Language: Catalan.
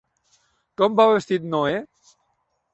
Com va vestit Noè?